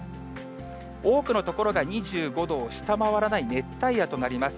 多くの所が２５度を下回らない熱帯夜となります。